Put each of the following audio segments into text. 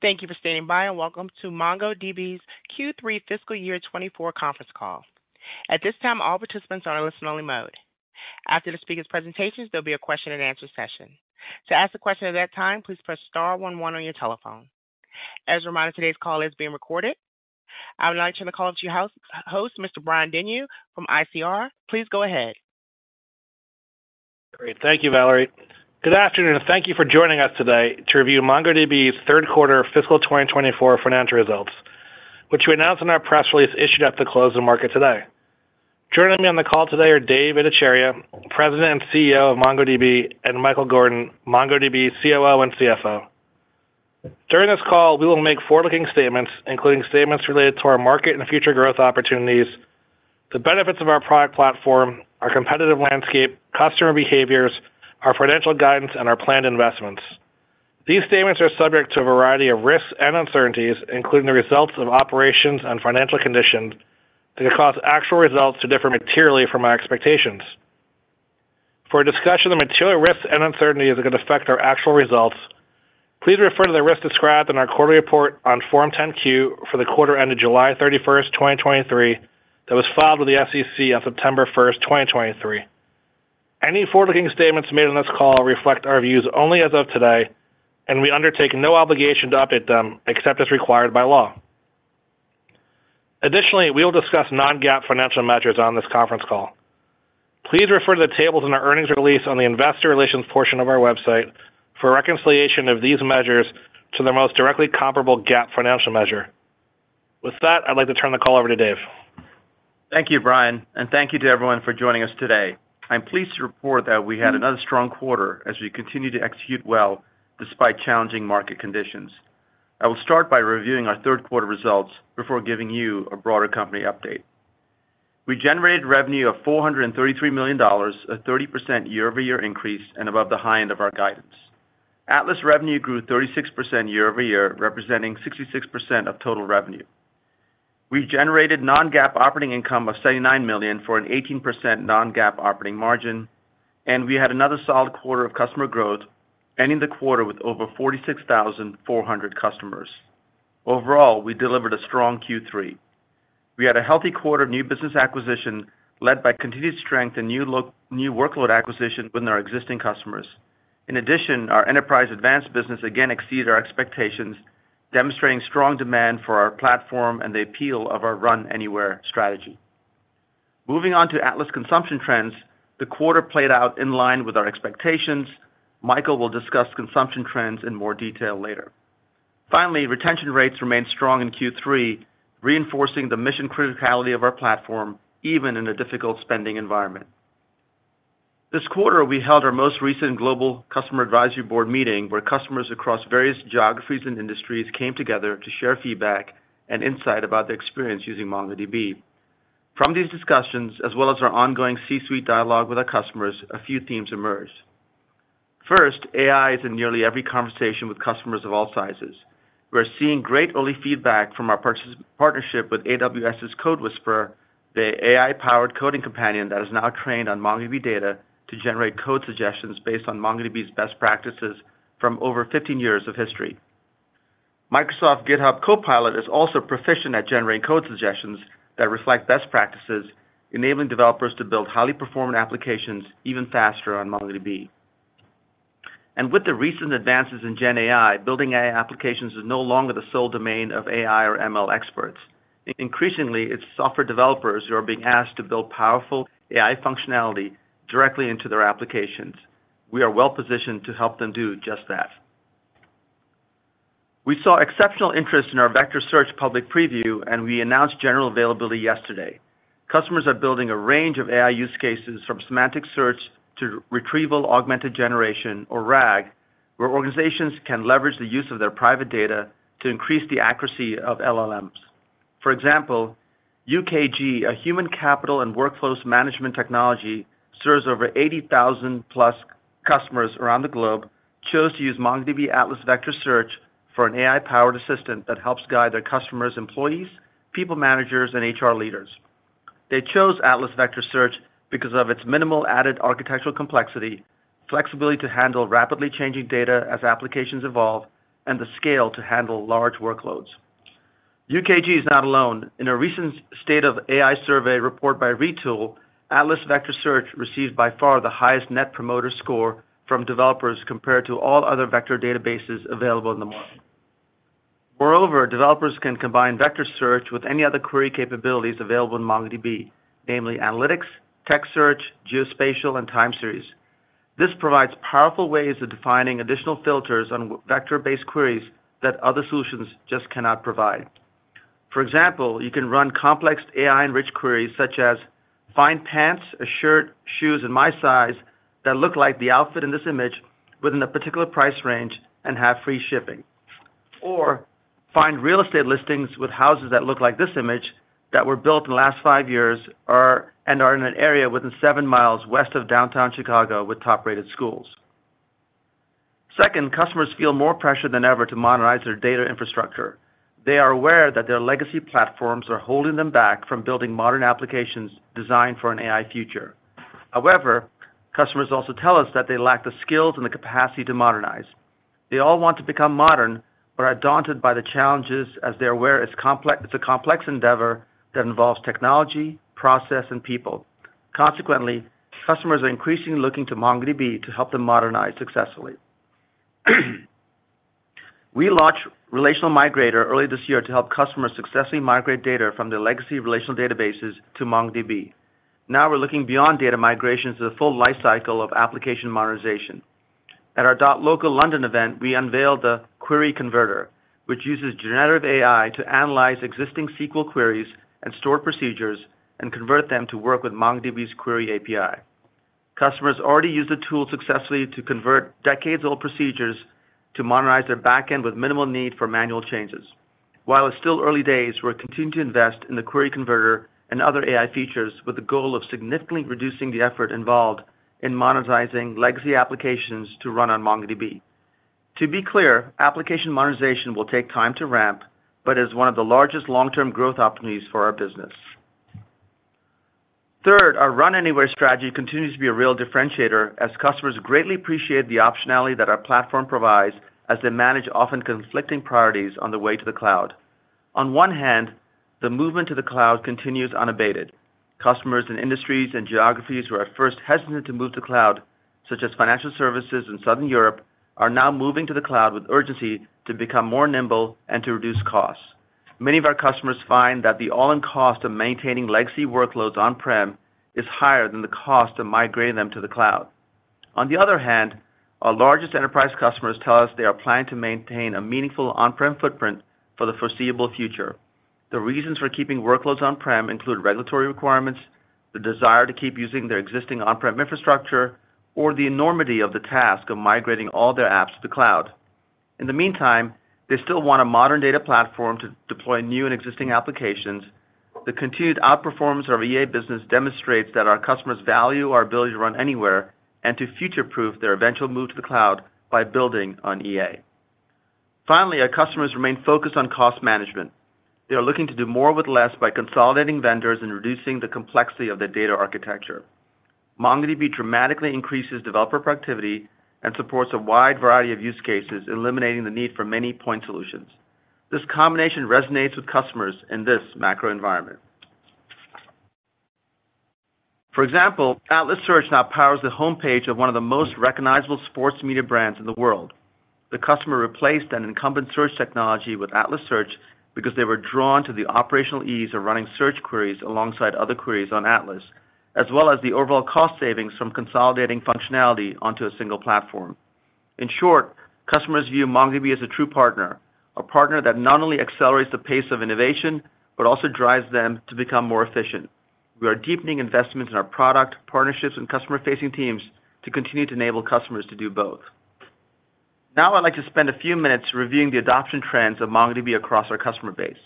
Thank you for standing by, and Welcome to MongoDB's Q3 FY 2024 Conference Call. At this time, all participants are in listen-only mode. After the speaker's presentations, there'll be a Q&A session. To ask a question at that time, please press star one one on your telephone. As a reminder, today's call is being recorded. I would now like to turn the call over to your host, Mr. Brian Denyeau from ICR. Please go ahead. Great. Thank you, Valerie. Good afternoon, and thank you for joining us today to review MongoDB's Q3 FY 2024 Financial Results, which we announced in our press release issued at the close of the market today. Joining me on the call today are Dev Ittycheria, President and CEO of MongoDB, and Michael Gordon, COO and CFO of MongoDB. During this call, we will make forward-looking statements, including statements related to our market and future growth opportunities, the benefits of our product platform, our competitive landscape, customer behaviors, our financial guidance, and our planned investments. These statements are subject to a variety of risks and uncertainties, including the results of operations and financial conditions that could cause actual results to differ materially from our expectations. For a discussion of the material risks and uncertainties that could affect our actual results, please refer to the risks described in our quarterly report on Form 10-Q for the quarter ended July 31st 2023, that was filed with the SEC on September 1st 2023. Any forward-looking statements made on this call reflect our views only as of today, and we undertake no obligation to update them except as required by law. Additionally, we will discuss non-GAAP financial measures on this conference call. Please refer to the tables in our earnings release on the investor relations portion of our website for a reconciliation of these measures to the most directly comparable GAAP financial measure. With that, I'd like to turn the call over to Dev. Thank you, Brian, and thank you to everyone for joining us today. I'm pleased to report that we had another strong quarter as we continue to execute well despite challenging market conditions. I will start by reviewing our Q3 results before giving you a broader company update. We generated revenue of $433 million, a 30% year-over-year increase and above the high end of our guidance. Atlas revenue grew 36% year-over-year, representing 66% of total revenue. We generated non-GAAP operating income of $79 million for an 18% non-GAAP operating margin, and we had another solid quarter of customer growth, ending the quarter with over 46,400 customers. Overall, we delivered a strong Q3. We had a healthy quarter of new business acquisition, led by continued strength and new workload acquisition within our existing customers. In addition, our Enterprise Advanced business again exceeded our expectations, demonstrating strong demand for our platform and the appeal of our Run Anywhere strategy. Moving on to Atlas consumption trends, the quarter played out in line with our expectations. Michael will discuss consumption trends in more detail later. Finally, retention rates remained strong in Q3, reinforcing the mission criticality of our platform, even in a difficult spending environment. This quarter, we held our most recent Global Customer Advisory Board meeting, where customers across various geographies and industries came together to share feedback and insight about their experience using MongoDB. From these discussions, as well as our ongoing C-suite dialogue with our customers, a few themes emerged. First, AI is in nearly every conversation with customers of all sizes. We're seeing great early feedback from our partners' partnership with AWS's CodeWhisperer, the AI-powered coding companion that is now trained on MongoDB data to generate code suggestions based on MongoDB's best practices from over 15 years of history. Microsoft's GitHub Copilot is also proficient at generating code suggestions that reflect best practices, enabling developers to build highly performing applications even faster on MongoDB. With the recent advances in GenAI, building AI applications is no longer the sole domain of AI or ML experts. Increasingly, it's software developers who are being asked to build powerful AI functionality directly into their applications. We are well positioned to help them do just that. We saw exceptional interest in our vector search public preview, and we announced general availability yesterday. Customers are building a range of AI use cases, from semantic search to Retrieval-Augmented Generation, or RAG, where organizations can leverage the use of their private data to increase the accuracy of LLMs. For example, UKG, a human capital and workflows management technology, serves over 80,000+ customers around the globe, chose to use MongoDB Atlas Vector Search for an AI-powered assistant that helps guide their customers, employees, people, managers, and HR leaders. They chose Atlas Vector Search because of its minimal added architectural complexity, flexibility to handle rapidly changing data as applications evolve, and the scale to handle large workloads. UKG is not alone. In a recent State of AI survey report by Retool, Atlas Vector Search received by far the highest Net Promoter Score from developers compared to all other vector databases available in the market. Moreover, developers can combine vector search with any other query capabilities available in MongoDB, namely analytics, text search, geospatial, and time series. This provides powerful ways of defining additional filters on vector-based queries that other solutions just cannot provide. For example, you can run complex AI-enriched queries, such as, "Find pants, a shirt, shoes in my size that look like the outfit in this image within a particular price range and have free shipping," or, "Find real estate listings with houses that look like this image that were built in the last five years and are in an area within seven miles west of downtown Chicago with top-rated schools." Second, customers feel more pressure than ever to modernize their data infrastructure.... They are aware that their legacy platforms are holding them back from building modern applications designed for an AI future. However, customers also tell us that they lack the skills and the capacity to modernize. They all want to become modern, but are daunted by the challenges as they're aware it's complex, it's a complex endeavor that involves technology, process, and people. Consequently, customers are increasingly looking to MongoDB to help them modernize successfully. We launched Relational Migrator early this year to help customers successfully migrate data from their legacy relational databases to MongoDB. Now we're looking beyond data migration to the full lifecycle of application modernization. At our .local London event, we unveiled the Query Converter, which uses generative AI to analyze existing SQL queries and stored procedures and convert them to work with MongoDB's Query API. Customers already use the tool successfully to convert decades-old procedures to modernize their back-end with minimal need for manual changes. While it's still early days, we're continuing to invest in the Query Converter and other AI features with the goal of significantly reducing the effort involved in monetizing legacy applications to run on MongoDB. To be clear, application modernization will take time to ramp, but is one of the largest long-term growth opportunities for our business. Third, our Run Anywhere strategy continues to be a real differentiator, as customers greatly appreciate the optionality that our platform provides as they manage often conflicting priorities on the way to the cloud. On one hand, the movement to the cloud continues unabated. Customers in industries and geographies who are at first hesitant to move to cloud, such as financial services in Southern Europe, are now moving to the cloud with urgency to become more nimble and to reduce costs. Many of our customers find that the all-in cost of maintaining legacy workloads on-prem is higher than the cost of migrating them to the cloud. On the other hand, our largest enterprise customers tell us they are planning to maintain a meaningful on-prem footprint for the foreseeable future. The reasons for keeping workloads on-prem include regulatory requirements, the desire to keep using their existing on-prem infrastructure, or the enormity of the task of migrating all their apps to the cloud. In the meantime, they still want a modern data platform to deploy new and existing applications. The continued outperformance of our EA business demonstrates that our customers value our ability to run anywhere and to future-proof their eventual move to the cloud by building on EA. Finally, our customers remain focused on cost management. They are looking to do more with less by consolidating vendors and reducing the complexity of their data architecture. MongoDB dramatically increases developer productivity and supports a wide variety of use cases, eliminating the need for many point solutions. This combination resonates with customers in this macro environment. For example, Atlas Search now powers the homepage of one of the most recognizable sports media brands in the world. The customer replaced an incumbent search technology with Atlas Search because they were drawn to the operational ease of running search queries alongside other queries on Atlas, as well as the overall cost savings from consolidating functionality onto a single platform. In short, customers view MongoDB as a true partner, a partner that not only accelerates the pace of innovation, but also drives them to become more efficient. We are deepening investments in our product, partnerships, and customer-facing teams to continue to enable customers to do both. Now, I'd like to spend a few minutes reviewing the adoption trends of MongoDB across our customer base.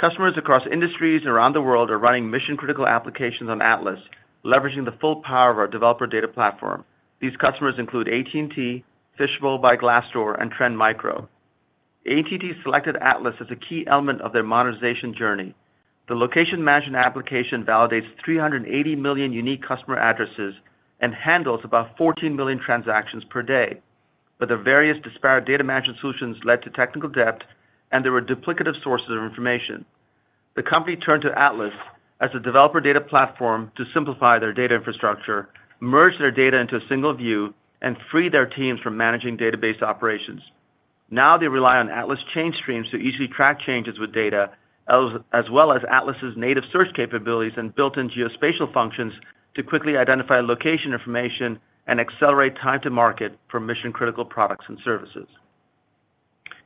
Customers across industries around the world are running mission-critical applications on Atlas, leveraging the full power of our developer data platform. These customers include AT&T, Fishbowl by Glassdoor, and Trend Micro. AT&T selected Atlas as a key element of their modernization journey. The location management application validates 380 million unique customer addresses and handles about 14 million transactions per day, but their various disparate data management solutions led to technical debt, and there were duplicative sources of information. The company turned to Atlas as a developer data platform to simplify their data infrastructure, merge their data into a single view, and free their teams from managing database operations. Now they rely on Atlas Change Streams to easily track changes with data, as well as Atlas's native search capabilities and built-in Geospatial functions to quickly identify location information and accelerate time to market for mission-critical products and services.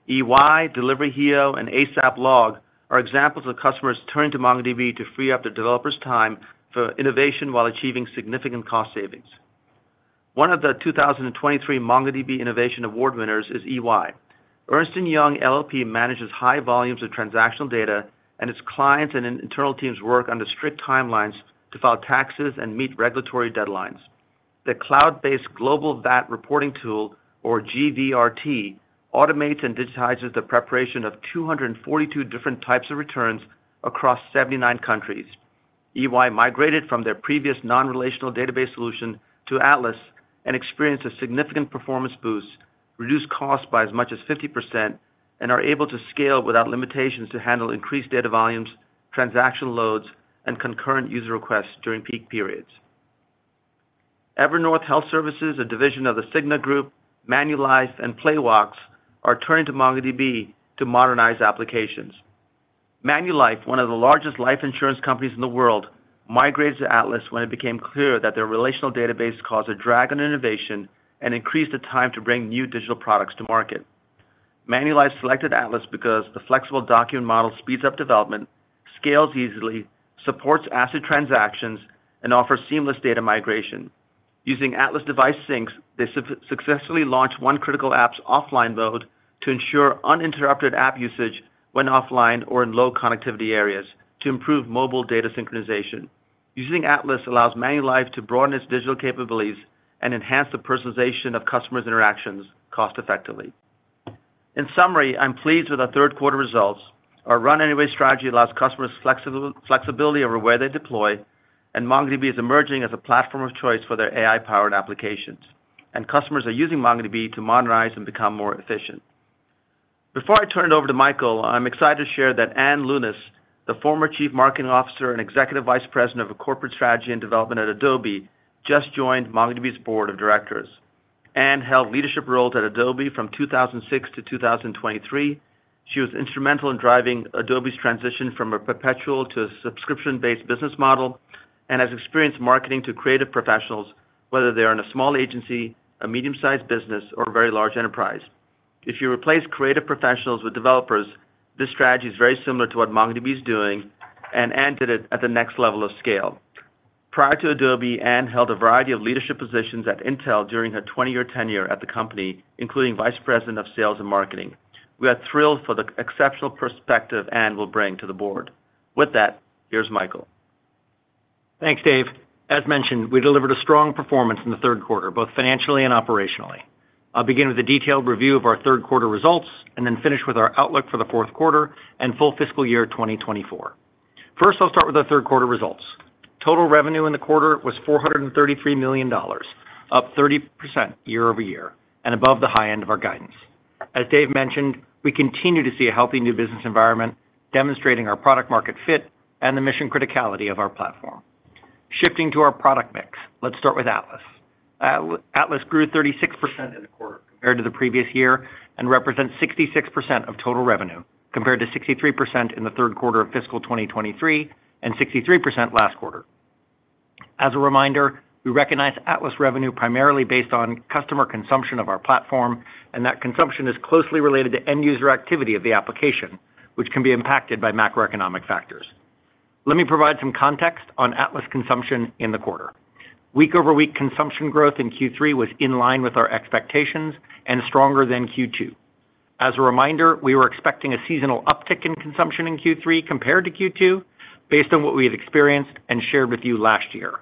EY, Delivery Hero, and Asap Log are examples of customers turning to MongoDB to free up their developers' time for innovation while achieving significant cost savings. One of the 2023 MongoDB Innovation Award winners is EY. Ernst & Young LLP manages high volumes of transactional data, and its clients and internal teams work under strict timelines to file taxes and meet regulatory deadlines. The cloud-based Global VAT Reporting Tool, or GVRT, automates and digitizes the preparation of 242 different types of returns across 79 countries. EY migrated from their previous non-relational database solution to Atlas and experienced a significant performance boost, reduced costs by as much as 50%, and are able to scale without limitations to handle increased data volumes, transaction loads, and concurrent user requests during peak periods. Evernorth Health Services, a division of the Cigna Group, Manulife, and Playvox, are turning to MongoDB to modernize applications. Manulife, one of the largest life insurance companies in the world, migrated to Atlas when it became clear that their relational database caused a drag on innovation and increased the time to bring new digital products to market. Manulife selected Atlas because the flexible document model speeds up development, scales easily, supports asset transactions, and offers seamless data migration. Using Atlas Device Sync, they successfully launched one critical app's offline mode to ensure uninterrupted app usage when offline or in low connectivity areas to improve mobile data synchronization. Using Atlas allows Manulife to broaden its digital capabilities and enhance the personalization of customers' interactions cost-effectively. In summary, I'm pleased with our Q3 results. Our Run Anywhere strategy allows customers flexibility over where they deploy, and MongoDB is emerging as a platform of choice for their AI-powered applications, and customers are using MongoDB to modernize and become more efficient. Before I turn it over to Michael, I'm excited to share that Ann Lewnes, the former Chief Marketing Officer and Executive Vice President of Corporate Strategy and Development at Adobe, just joined MongoDB's Board of Directors. Ann held leadership roles at Adobe from 2006 to 2023. She was instrumental in driving Adobe's transition from a perpetual to a subscription-based business model, and has experienced marketing to creative professionals, whether they are in a small agency, a medium-sized business, or a very large enterprise. If you replace creative professionals with developers, this strategy is very similar to what MongoDB is doing, and Ann did it at the next level of scale. Prior to Adobe, Ann held a variety of leadership positions at Intel during her 20-year tenure at the company, including Vice President of Sales and Marketing. We are thrilled for the exceptional perspective Ann will bring to the board. With that, here's Michael. Thanks, Dev. As mentioned, we delivered a strong performance in the Q3, both financially and operationally. I'll begin with a detailed review of our Q3 results, and then finish with our outlook for the Q4 and full FY 2024. First, I'll start with our Q3 results. Total revenue in the quarter was $433 million, up 30% year-over-year, and above the high end of our guidance. As Dev mentioned, we continue to see a healthy new business environment, demonstrating our product market fit and the mission criticality of our platform. Shifting to our product mix, let's start with Atlas. Atlas grew 36% in the quarter compared to the previous year and represents 66% of total revenue, compared to 63% in the Q3 of FY 2023 and 63% last quarter. As a reminder, we recognize Atlas revenue primarily based on customer consumption of our platform, and that consumption is closely related to end-user activity of the application, which can be impacted by macroeconomic factors. Let me provide some context on Atlas consumption in the quarter. Week-over-week consumption growth in Q3 was in line with our expectations and stronger than Q2. As a reminder, we were expecting a seasonal uptick in consumption in Q3 compared to Q2, based on what we had experienced and shared with you last year.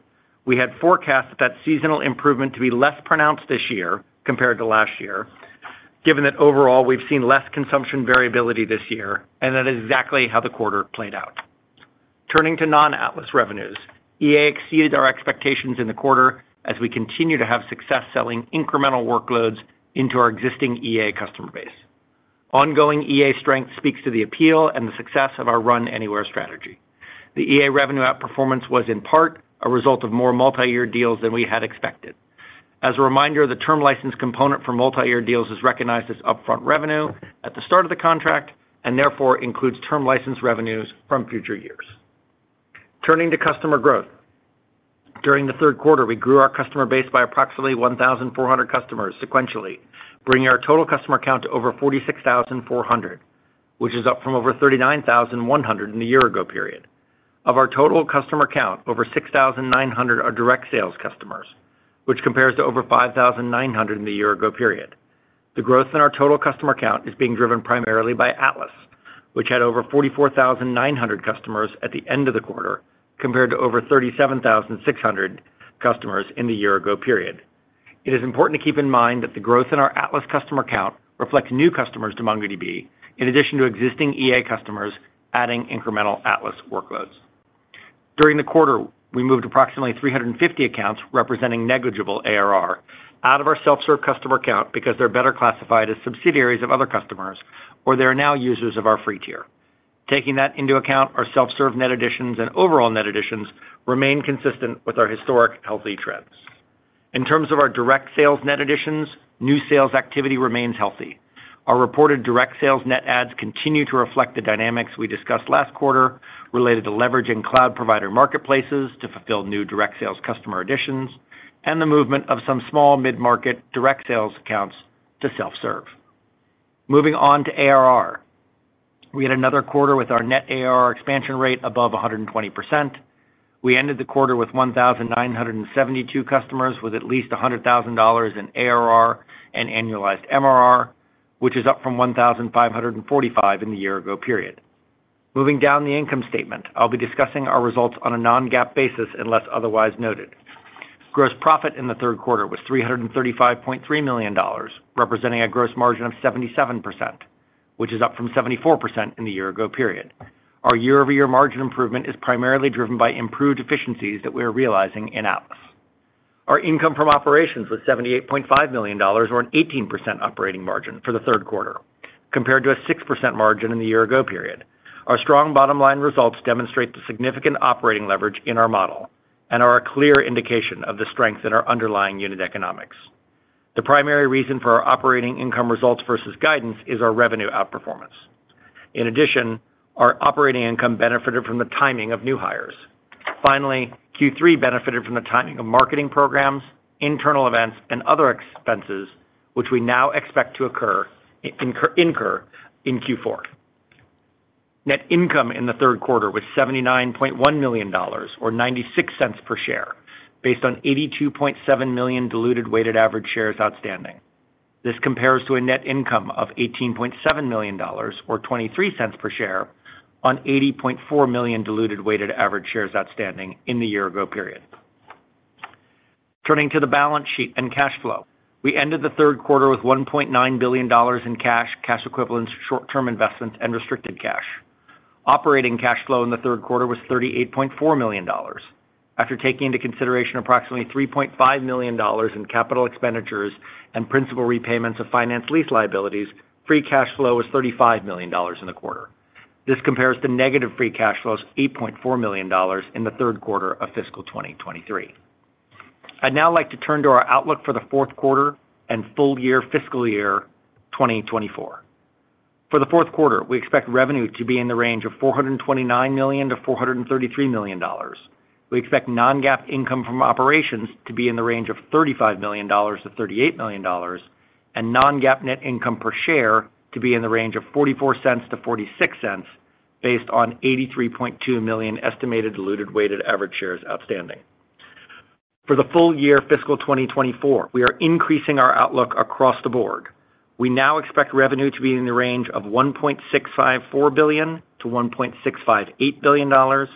We had forecast that seasonal improvement to be less pronounced this year compared to last year, given that overall, we've seen less consumption variability this year, and that is exactly how the quarter played out. Turning to non-Atlas revenues, EA exceeded our expectations in the quarter as we continue to have success selling incremental workloads into our existing EA customer base. Ongoing EA strength speaks to the appeal and the success of our Run Anywhere strategy. The EA revenue outperformance was, in part, a result of more multi-year deals than we had expected. As a reminder, the term license component for multi-year deals is recognized as upfront revenue at the start of the contract, and therefore includes term license revenues from future years. Turning to customer growth. During the Q3, we grew our customer base by approximately 1,400 customers sequentially, bringing our total customer count to over 46,400, which is up from over 39,100 in the year ago period. Of our total customer count, over 6,900 are direct sales customers, which compares to over 5,900 in the year ago period. The growth in our total customer count is being driven primarily by Atlas, which had over 44,900 customers at the end of the quarter, compared to over 37,600 customers in the year-ago period. It is important to keep in mind that the growth in our Atlas customer count reflects new customers to MongoDB, in addition to existing EA customers adding incremental Atlas workloads. During the quarter, we moved approximately 350 accounts, representing negligible ARR, out of our self-serve customer account because they're better classified as subsidiaries of other customers, or they are now users of our free tier. Taking that into account, our self-serve net additions and overall net additions remain consistent with our historic healthy trends. In terms of our direct sales net additions, new sales activity remains healthy. Our reported direct sales net adds continue to reflect the dynamics we discussed last quarter, related to leveraging cloud provider marketplaces to fulfill new direct sales customer additions and the movement of some small mid-market direct sales accounts to self-serve. Moving on to ARR. We had another quarter with our net ARR expansion rate above 120%. We ended the quarter with 1,972 customers, with at least $100,000 in ARR and annualized MRR, which is up from 1,545 in the year ago period. Moving down the income statement, I'll be discussing our results on a non-GAAP basis unless otherwise noted. Gross profit in the Q3 was $335.3 million, representing a gross margin of 77%, which is up from 74% in the year ago period. Our year-over-year margin improvement is primarily driven by improved efficiencies that we are realizing in Atlas. Our income from operations was $78.5 million or an 18% operating margin for the Q3, compared to a 6% margin in the year ago period. Our strong bottom line results demonstrate the significant operating leverage in our model and are a clear indication of the strength in our underlying unit economics. The primary reason for our operating income results versus guidance is our revenue outperformance. In addition, our operating income benefited from the timing of new hires. Finally, Q3 benefited from the timing of marketing programs, internal events, and other expenses, which we now expect to incur in Q4. Net income in the Q3 was $79.1 million or $0.96 per share, based on 82.7 million diluted weighted average shares outstanding. This compares to a net income of $18.7 million, or $0.23 per share, on 80.4 million diluted weighted average shares outstanding in the year ago period. Turning to the balance sheet and cash flow. We ended the Q3 with $1.9 billion in cash, cash equivalents, short-term investments, and restricted cash. Operating cash flow in the Q3 was $38.4 million. After taking into consideration approximately $3.5 million in capital expenditures and principal repayments of finance lease liabilities, free cash flow was $35 million in the quarter. This compares to negative free cash flows of $8.4 million in the Q3 of FY 2023. I'd now like to turn to our outlook for the Q4 and full year FY 2024. For the Q4, we expect revenue to be in the range of $429 million-$433 million. We expect non-GAAP income from operations to be in the range of $35 million-$38 million, and non-GAAP net income per share to be in the range of $0.44-$0.46, based on 83.2 million estimated diluted weighted average shares outstanding. For the full year FY 2024, we are increasing our outlook across the board. We now expect revenue to be in the range of $1.654 billion-$1.658 billion, non-GAAP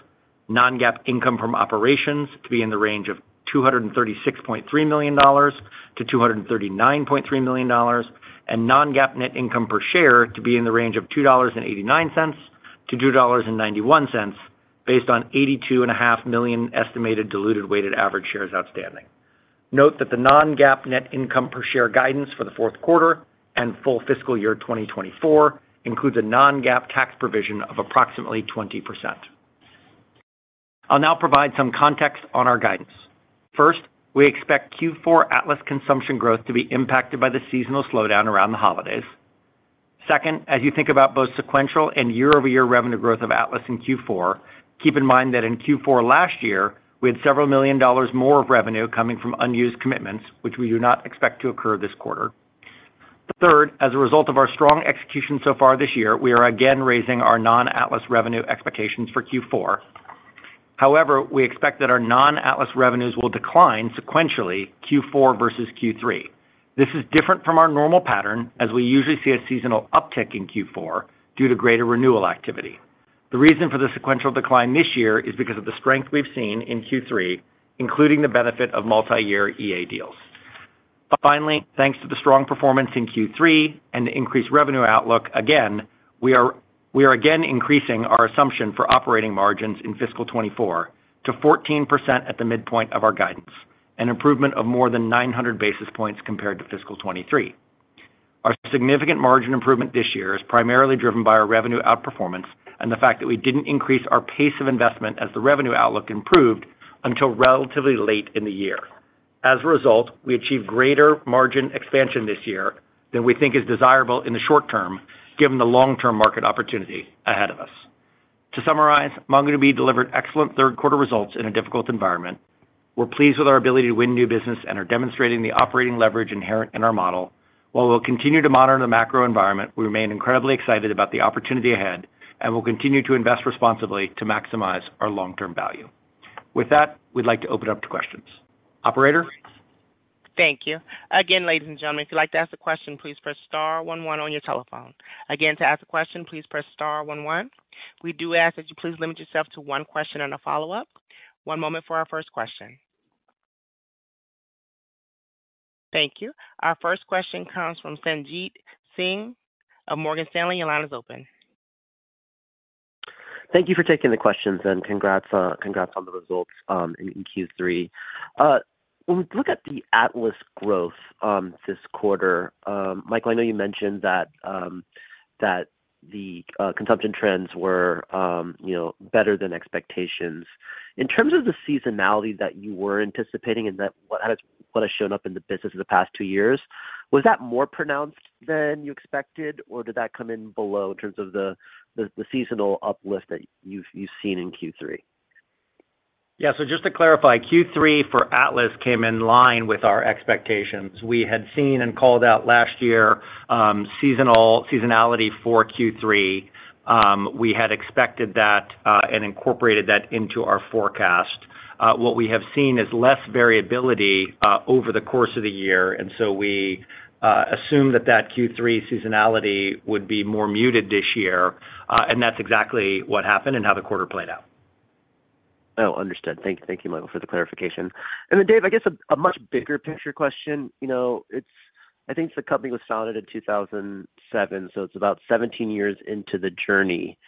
income from operations to be in the range of $236.3 million-$239.3 million, and non-GAAP net income per share to be in the range of $2.89-$2.91, based on 82.5 million estimated diluted weighted average shares outstanding. Note that the non-GAAP net income per share guidance for the Q4 and full FY 2024 includes a non-GAAP tax provision of approximately 20%. I'll now provide some context on our guidance. First, we expect Q4 Atlas consumption growth to be impacted by the seasonal slowdown around the holidays. Second, as you think about both sequential and year-over-year revenue growth of Atlas in Q4, keep in mind that in Q4 last year, we had $several million more of revenue coming from unused commitments, which we do not expect to occur this quarter. Third, as a result of our strong execution so far this year, we are again raising our non-Atlas revenue expectations for Q4. However, we expect that our non-Atlas revenues will decline sequentially, Q4 versus Q3. This is different from our normal pattern, as we usually see a seasonal uptick in Q4 due to greater renewal activity. The reason for the sequential decline this year is because of the strength we've seen in Q3, including the benefit of multi-year EA deals. Finally, thanks to the strong performance in Q3 and the increased revenue outlook, again, we are again increasing our assumption for operating margins in FY 2024 to 14% at the midpoint of our guidance, an improvement of more than 900 basis points compared to FY 2023. Our significant margin improvement this year is primarily driven by our revenue outperformance and the fact that we didn't increase our pace of investment as the revenue outlook improved until relatively late in the year. As a result, we achieved greater margin expansion this year than we think is desirable in the short term, given the long-term market opportunity ahead of us. To summarize, MongoDB delivered excellent Q3 results in a difficult environment. We're pleased with our ability to win new business and are demonstrating the operating leverage inherent in our model. While we'll continue to monitor the macro environment, we remain incredibly excited about the opportunity ahead, and we'll continue to invest responsibly to maximize our long-term value. With that, we'd like to open up to questions. Operator? Thank you. Again, ladies and gentlemen, if you'd like to ask a question, please press star one one on your telephone. Again, to ask a question, please press star one one. We do ask that you please limit yourself to one question and a follow-up. One moment for our first question. Thank you. Our first question comes from Sanjit Singh of Morgan Stanley. Your line is open. Thank you for taking the questions, and congrats, congrats on the results in Q3. When we look at the Atlas growth this quarter, Michael, I know you mentioned that the consumption trends were, you know, better than expectations. In terms of the seasonality that you were anticipating and that what has shown up in the business in the past two years, was that more pronounced than you expected, or did that come in below in terms of the seasonal uplift that you've seen in Q3? Yeah, so just to clarify, Q3 for Atlas came in line with our expectations. We had seen and called out last year, seasonality for Q3. We had expected that, and incorporated that into our forecast. What we have seen is less variability over the course of the year, and so we assumed that that Q3 seasonality would be more muted this year, and that's exactly what happened and how the quarter played out. Oh, understood. Thank you, Michael, for the clarification. And the Dev, I guess a much bigger picture question. You know, it's. I think the company was founded in 2007, so it's about 17 years into the journey.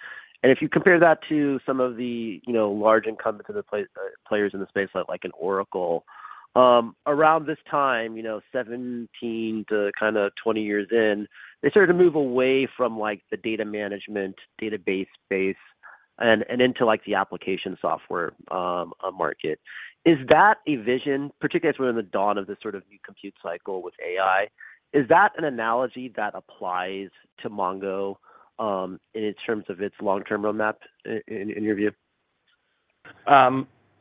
And if you compare that to some of the, you know, large incumbents of the players in the space, like an Oracle, around this time, you know, 17 to kind of 20 years in, they started to move away from, like, the data management, database space and into, like, the application software market. Is that a vision, particularly as we're in the dawn of this sort of new compute cycle with AI, is that an analogy that applies to Mongo in terms of its long-term roadmap in, in your view?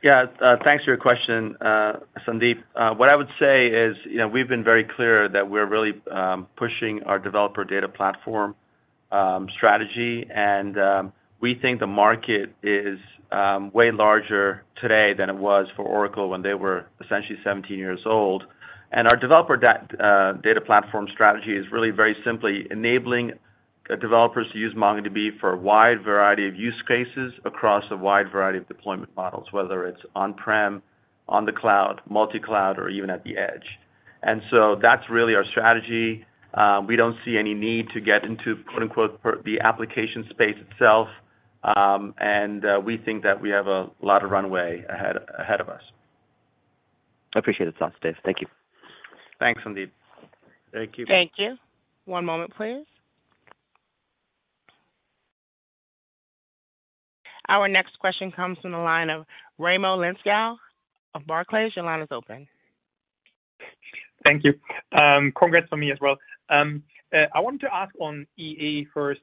Yeah, thanks for your question, Sanjit. What I would say is, you know, we've been very clear that we're really pushing our developer data platform strategy, and we think the market is way larger today than it was for Oracle when they were essentially 17 years old. And our developer data platform strategy is really very simply enabling the developers to use MongoDB for a wide variety of use cases across a wide variety of deployment models, whether it's on-prem, on the cloud, multi-cloud, or even at the edge. And so that's really our strategy. We don't see any need to get into, quote, unquote, "the application space itself," and we think that we have a lot of runway ahead of us. I appreciate it thoughts, Dev. Thank you. Thanks, Sanjit. Thank you. Thank you. One moment, please. Our next question comes from the line of Raimo Lenschow of Barclays. Your line is open. Thank you. Congrats for me as well. I wanted to ask on EA first.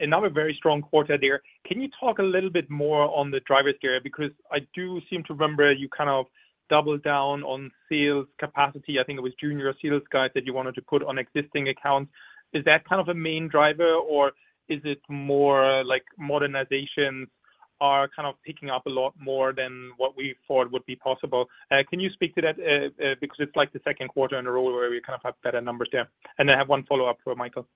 Another very strong quarter there. Can you talk a little bit more on the drivers there? Because I do seem to remember you kind of doubled down on sales capacity. I think it was junior sales guys that you wanted to put on existing accounts. Is that kind of a main driver, or is it more like modernizations are kind of picking up a lot more than what we thought would be possible? Can you speak to that, because it's like the Q2 in a row where we kind of have better numbers there. And I have one follow-up for Michael.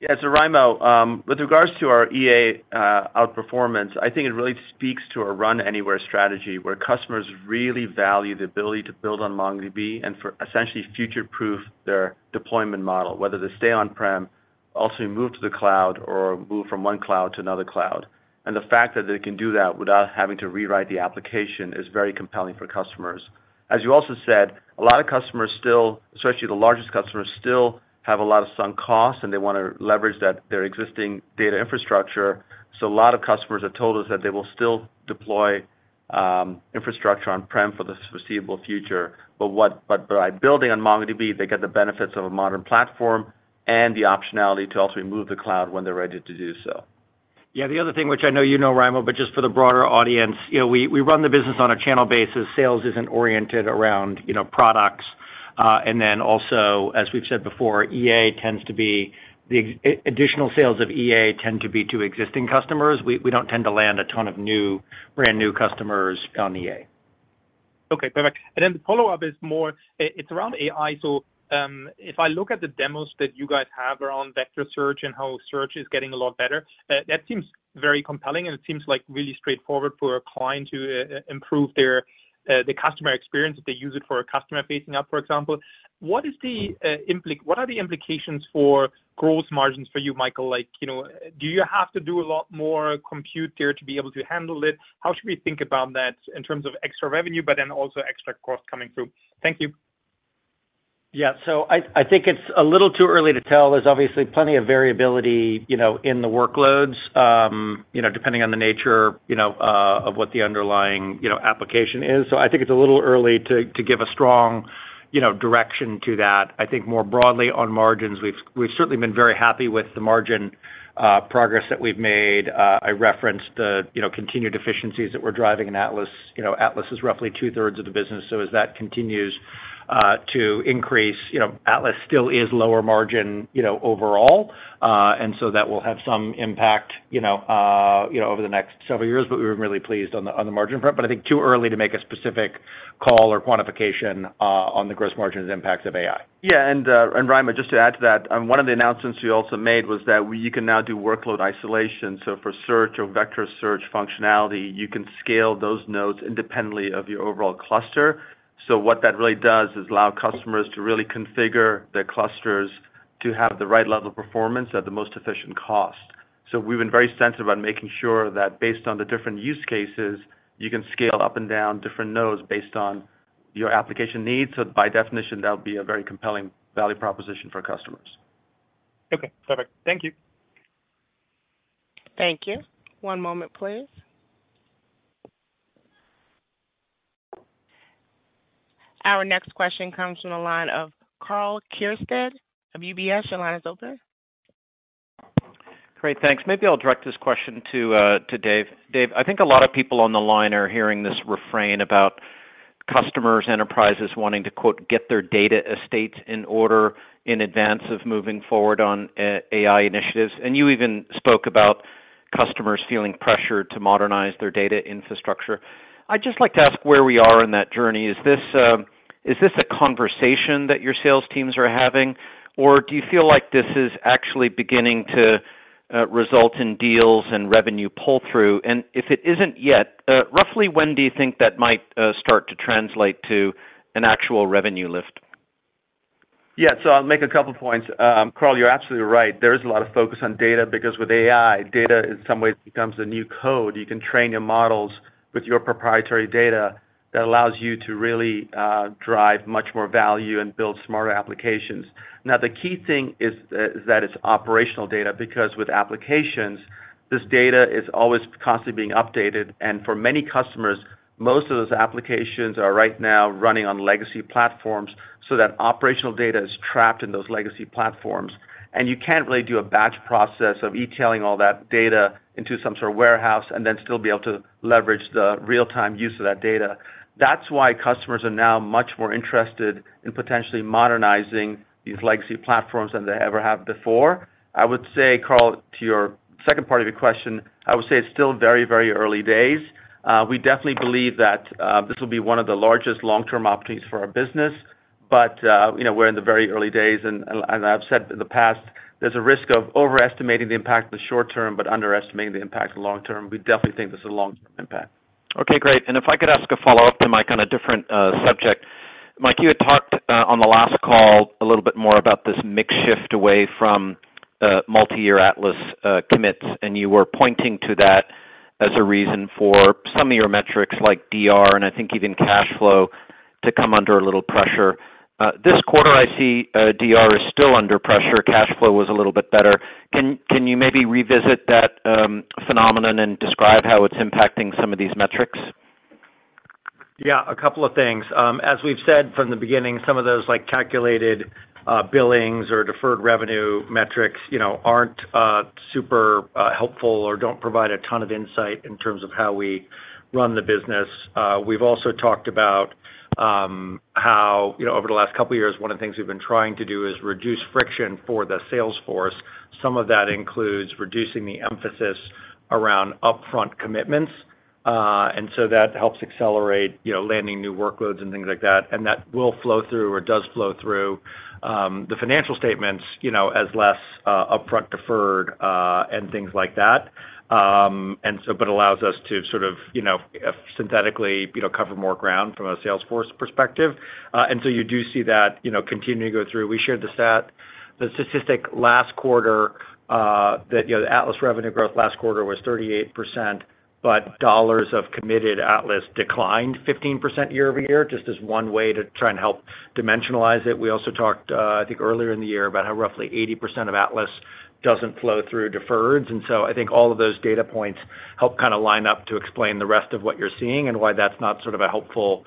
Yeah, so Raimo, with regards to our EA outperformance, I think it really speaks to a Run Anywhere strategy, where customers really value the ability to build on MongoDB and for essentially future-proof their deployment model, whether to stay on-prem, also move to the cloud, or move from one cloud to another cloud. And the fact that they can do that without having to rewrite the application is very compelling for customers. As you also said, a lot of customers still, especially the largest customers, still have a lot of sunk costs, and they wanna leverage that—their existing data infrastructure. So a lot of customers have told us that they will still deploy infrastructure on-prem for the foreseeable future. but by building on MongoDB, they get the benefits of a modern platform and the optionality to also move to the cloud when they're ready to do so. Yeah, the other thing, which I know you know, Raimo, but just for the broader audience, you know, we run the business on a channel basis. Sales isn't oriented around, you know, products. And then also, as we've said before, EA tends to be the additional sales of EA tend to be to existing customers. We don't tend to land a ton of new, brand new customers on EA. Okay, perfect. And then the follow-up is more, it's around AI. So, if I look at the demos that you guys have around vector search and how search is getting a lot better, that seems very compelling, and it seems like really straightforward for a client to improve the customer experience, if they use it for a customer-facing app, for example. What are the implications for growth margins for you, Michael? Like, you know, do you have to do a lot more compute there to be able to handle it? How should we think about that in terms of extra revenue, but then also extra cost coming through? Thank you. Yeah. So I, I think it's a little too early to tell. There's obviously plenty of variability, you know, in the workloads, depending on the nature, you know, of what the underlying, you know, application is. So I think it's a little early to give a strong, you know, direction to that. I think more broadly on margins, we've, we've certainly been very happy with the margin progress that we've made. I referenced the, you know, continued efficiencies that we're driving in Atlas. You know, Atlas is roughly two-thirds of the business, so as that continues to increase, you know, Atlas still is lower margin, you know, overall. And so that will have some impact, you know, over the next several years, but we're really pleased on the margin front. I think too early to make a specific call or quantification on the gross margins impact of AI. Yeah, and Raimo, just to add to that, one of the announcements we also made was that you can now do Workload Isolation. So for search or Vector Search functionality, you can scale those nodes independently of your overall cluster. So what that really does is allow customers to really configure their clusters to have the right level of performance at the most efficient cost. So we've been very sensitive about making sure that based on the different use cases, you can scale up and down different nodes based on your application needs. So by definition, that would be a very compelling value proposition for customers. Okay, perfect. Thank you. Thank you. One moment, please. Our next question comes from the line of Karl Keirstead of UBS. Your line is open. Great, thanks. Maybe I'll direct this question to Dev. Dev, I think a lot of people on the line are hearing this refrain about customers, enterprises wanting to, quote, "get their data estates in order" in advance of moving forward on AI initiatives. And you even spoke about customers feeling pressured to modernize their data infrastructure. I'd just like to ask where we are in that journey. Is this a conversation that your sales teams are having, or do you feel like this is actually beginning to result in deals and revenue pull-through? And if it isn't yet, roughly when do you think that might start to translate to an actual revenue lift? Yeah, so I'll make a couple points. Karl, you're absolutely right. There is a lot of focus on data, because with AI, data, in some ways, becomes the new code. You can train your models with your proprietary data that allows you to really drive much more value and build smarter applications. Now, the key thing is that it's operational data, because with applications, this data is always constantly being updated, and for many customers, most of those applications are right now running on legacy platforms, so that operational data is trapped in those legacy platforms. And you can't really do a batch process of ETLing all that data into some sort of warehouse and then still be able to leverage the real-time use of that data. That's why customers are now much more interested in potentially modernizing these legacy platforms than they ever have before. I would say, Karl, to your second part of your question, I would say it's still very, very early days. We definitely believe that this will be one of the largest long-term opportunities for our business, but you know, we're in the very early days, and as I've said in the past, there's a risk of overestimating the impact in the short term, but underestimating the impact in the long term. We definitely think this is a long-term impact. Okay, great. And if I could ask a follow-up to Mike on a different subject. Mike, you had talked on the last call a little bit more about this mix shift away from multi-year Atlas commits, and you were pointing to that as a reason for some of your metrics, like DR, and I think even cash flow, to come under a little pressure. This quarter, I see, DR is still under pressure. Cash flow was a little bit better. Can you maybe revisit that phenomenon and describe how it's impacting some of these metrics? Yeah, a couple of things. As we've said from the beginning, some of those, like, calculated billings or Deferred Revenue metrics, you know, aren't super helpful or don't provide a ton of insight in terms of how we run the business. We've also talked about how, you know, over the last couple of years, one of the things we've been trying to do is reduce friction for the sales force. Some of that includes reducing the emphasis around upfront commitments. And so that helps accelerate, you know, landing new workloads and things like that, and that will flow through or does flow through the financial statements, you know, as less upfront, Deferred, and things like that. And so, but allows us to sort of, you know, synthetically, you know, cover more ground from a sales force perspective. And so you do see that, you know, continuing to go through. We shared the statistic last quarter that, you know, the Atlas revenue growth last quarter was 38%, but dollars of committed Atlas declined 15% year-over-year, just as one way to try and help dimensionalize it. We also talked, I think earlier in the year, about how roughly 80% of Atlas doesn't flow through deferreds. And so I think all of those data points help kind of line up to explain the rest of what you're seeing and why that's not sort of a helpful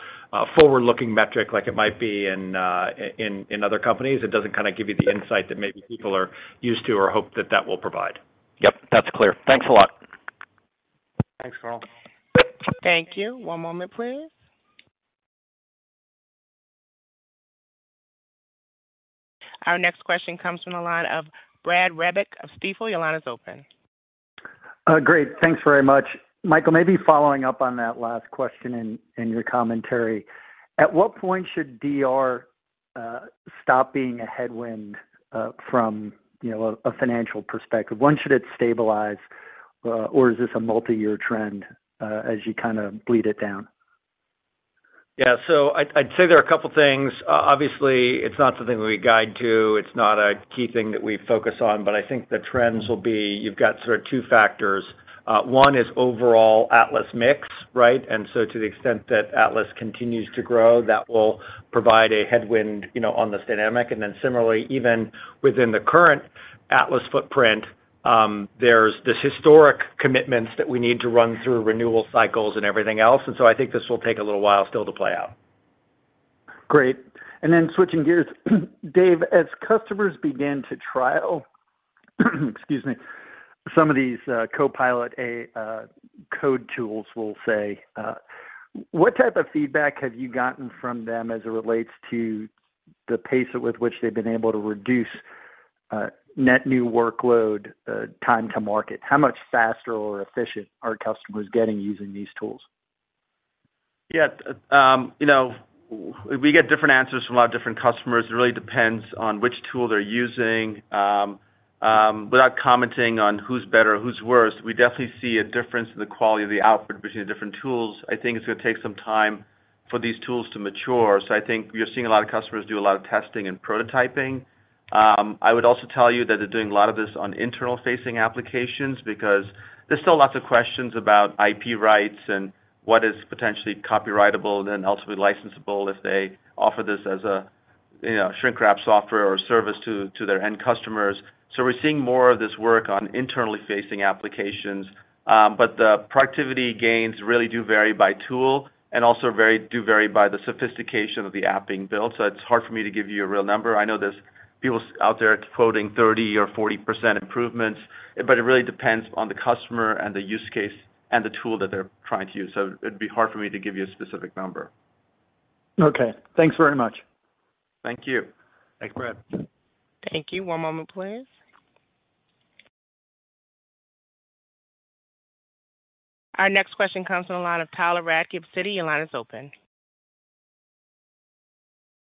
forward-looking metric like it might be in other companies. It doesn't kind of give you the insight that maybe people are used to or hope that that will provide. Yep, that's clear. Thanks a lot. Thanks, Karl. Thank you. One moment, please. Our next question comes from the line of Brad Reback of Stifel. Your line is open. Great. Thanks very much. Michael, maybe following up on that last question and your commentary. At what point should DR stop being a headwind from, you know, a financial perspective? When should it stabilize or is this a multi-year trend as you kind of bleed it down? Yeah. So I'd say there are a couple things. Obviously, it's not something we guide to. It's not a key thing that we focus on, but I think the trends will be, you've got sort of two factors. One is overall Atlas mix, right? And so to the extent that Atlas continues to grow, that will provide a headwind, you know, on this dynamic. And then similarly, even within the current Atlas footprint, there's this historic commitments that we need to run through renewal cycles and everything else, and so I think this will take a little while still to play out. Great. And then switching gears, Dev, as customers begin to trial, excuse me, some of these Copilot AI code tools, we'll say, what type of feedback have you gotten from them as it relates to the pace at which they've been able to reduce net new workload time to market? How much faster or efficient are customers getting using these tools? Yeah, you know, we get different answers from a lot of different customers. It really depends on which tool they're using. Without commenting on who's better, who's worse, we definitely see a difference in the quality of the output between the different tools. I think it's gonna take some time for these tools to mature. So I think you're seeing a lot of customers do a lot of testing and prototyping. I would also tell you that they're doing a lot of this on internal-facing applications because there's still lots of questions about IP rights and what is potentially copyrightable, then ultimately licensable if they offer this as a, you know, shrink wrap software or service to their end customers. So we're seeing more of this work on internally facing applications. But the productivity gains really do vary by tool and also by the sophistication of the app being built. So it's hard for me to give you a real number. I know there's people out there quoting 30 or 40% improvements, but it really depends on the customer and the use case and the tool that they're trying to use. So it'd be hard for me to give you a specific number. Okay, thanks very much. Thank you. Thanks, Brad. Thank you. One moment, please. Our next question comes from the line of Tyler Radke, Citi. Your line is open.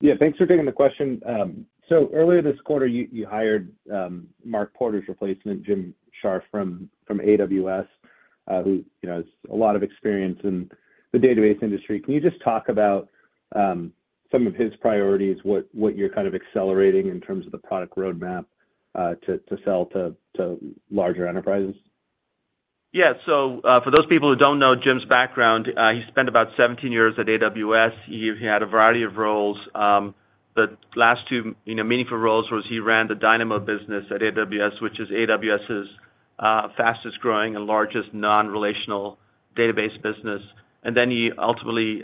Yeah, thanks for taking the question. So earlier this quarter, you hired Mark Porter's replacement, Jim Scharf, from AWS, who, you know, has a lot of experience in the database industry. Can you just talk about some of his priorities, what you're kind of accelerating in terms of the product roadmap, to sell to larger enterprises? Yeah. So, for those people who don't know Jim's background, he spent about 17 years at AWS. He had a variety of roles. The last two, you know, meaningful roles was he ran the DynamoDB business at AWS, which is AWS's fastest growing and largest non-relational database business. And then he ultimately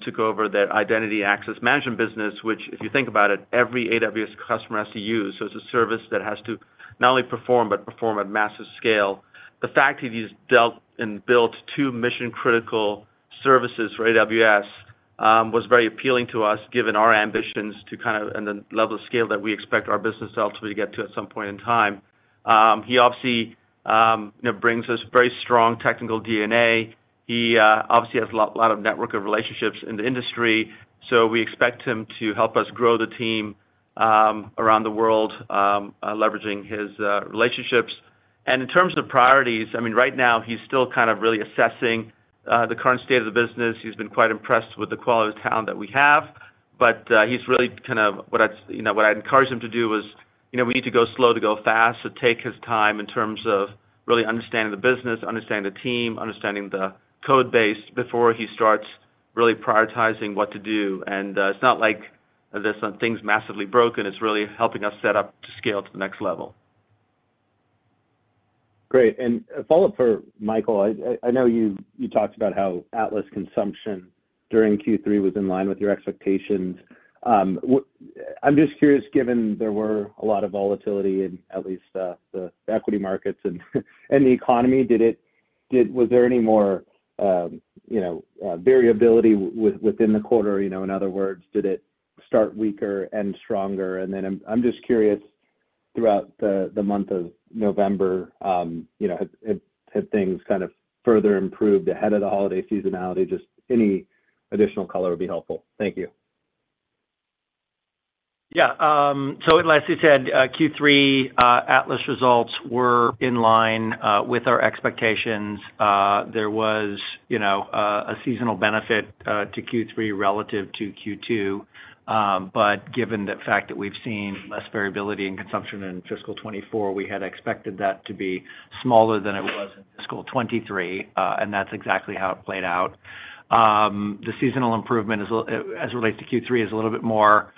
took over their identity access management business, which, if you think about it, every AWS customer has to use. So it's a service that has to not only perform, but perform at massive scale. The fact that he's dealt and built two mission-critical services for AWS was very appealing to us, given our ambitions to kind of... and the level of scale that we expect our business to ultimately get to at some point in time.... He obviously, you know, brings us very strong technical DNA. He obviously has a lot, lot of network of relationships in the industry, so we expect him to help us grow the team around the world, leveraging his relationships. And in terms of priorities, I mean, right now, he's still kind of really assessing the current state of the business. He's been quite impressed with the quality of talent that we have, but he's really kind of what I, you know, what I'd encouraged him to do was, you know, we need to go slow to go fast. So take his time in terms of really understanding the business, understanding the team, understanding the code base before he starts really prioritizing what to do. And it's not like there's some things massively broken. It's really helping us set up to scale to the next level. Great. And a follow-up for Michael. I know you talked about how Atlas consumption during Q3 was in line with your expectations. I'm just curious, given there were a lot of volatility in at least the equity markets and the economy, was there any more variability within the quarter? You know, in other words, did it start weaker and stronger? And then, I'm just curious, throughout the month of November, you know, have things kind of further improved ahead of the holiday seasonality? Just any additional color would be helpful. Thank you. Yeah. So as Dev said, Q3 Atlas results were in line with our expectations. There was, you know, a seasonal benefit to Q3 relative to Q2. But given the fact that we've seen less variability in consumption in FY 2024, we had expected that to be smaller than it was in FY 2023, and that's exactly how it played out. The seasonal improvement as it relates to Q3 is a little bit more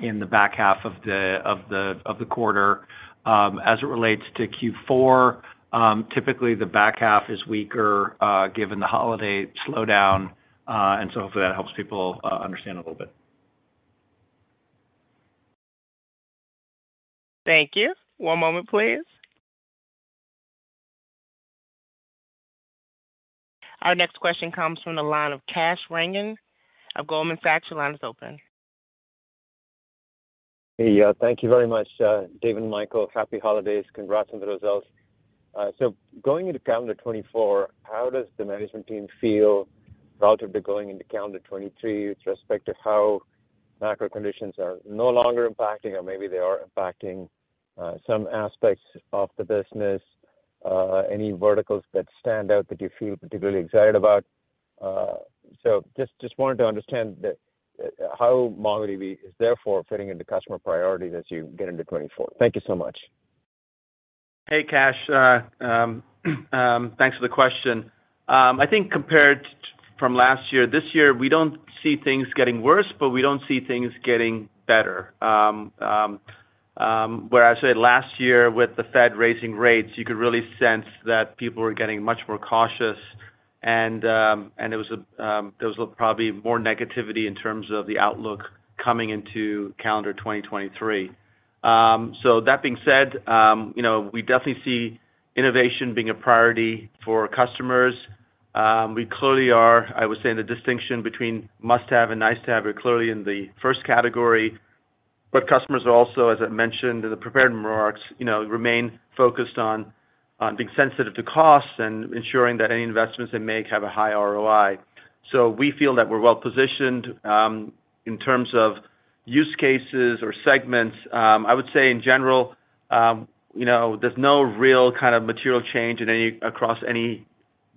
in the back half of the quarter. As it relates to Q4, typically the back half is weaker given the holiday slowdown. And so hopefully, that helps people understand a little bit. Thank you. One moment, please. Our next question comes from the line of Kash Rangan of Goldman Sachs. Your line is open. Hey, yeah, thank you very much, Dev and Michael. Happy holidays. Congrats on the results. So going into calendar 2024, how does the management team feel relative to going into calendar 2023 with respect to how macro conditions are no longer impacting, or maybe they are impacting, some aspects of the business? Any verticals that stand out that you feel particularly excited about? So just wanted to understand the, how MongoDB is therefore fitting into customer priorities as you get into 2024. Thank you so much. Hey, Kash. Thanks for the question. I think compared from last year, this year, we don't see things getting worse, but we don't see things getting better. Where I said last year, with the Fed raising rates, you could really sense that people were getting much more cautious, and, and it was, there was probably more negativity in terms of the outlook coming into calendar 2023. So that being said, you know, we definitely see innovation being a priority for our customers. We clearly are—I would say the distinction between must-have and nice-to-have are clearly in the first category, but customers are also, as I mentioned in the prepared remarks, you know, remain focused on, on being sensitive to costs and ensuring that any investments they make have a high ROI. So we feel that we're well positioned. In terms of use cases or segments, I would say in general, you know, there's no real kind of material change in any across any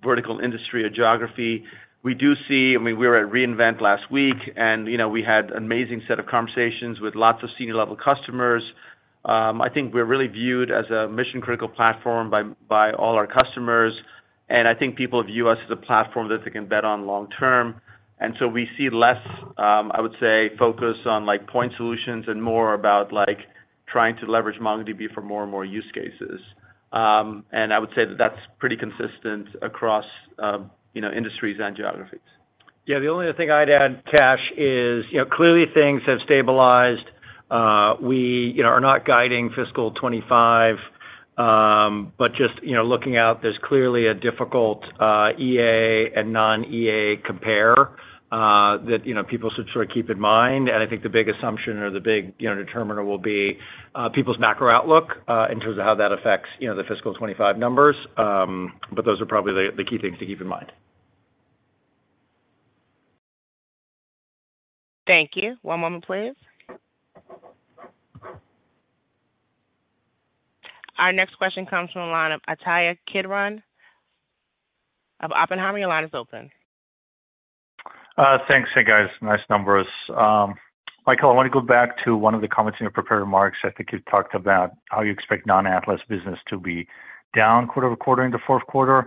vertical industry or geography. We do see. I mean, we were at re:Invent last week, and, you know, we had an amazing set of conversations with lots of senior-level customers. I think we're really viewed as a mission-critical platform by all our customers, and I think people view us as a platform that they can bet on long term. And so we see less, I would say, focus on, like, point solutions and more about, like, trying to leverage MongoDB for more and more use cases. And I would say that that's pretty consistent across, you know, industries and geographies. Yeah, the only other thing I'd add, Kash, is, you know, clearly things have stabilized. We, you know, are not guiding FY 2025, but just, you know, looking out, there's clearly a difficult EA and non-EA compare that, you know, people should sort of keep in mind. And I think the big assumption or the big, you know, determiner will be people's macro outlook in terms of how that affects, you know, the FY 2025 numbers. But those are probably the key things to keep in mind. Thank you. One moment, please. Our next question comes from the line of Ittai Kidron of Oppenheimer. Your line is open. Thanks. Hey, guys, nice numbers. Michael, I want to go back to one of the comments in your prepared remarks. I think you talked about how you expect non-Atlas business to be down quarter over quarter in the Q4,